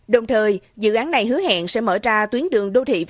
đồng thời dự án này hứa hẹn sẽ mở ra tuyến đường đô thị